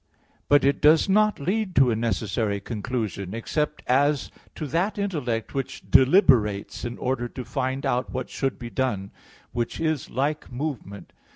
But it does not lead to a necessary conclusion, except as to that intellect which deliberates in order to find out what should be done, which is like movement.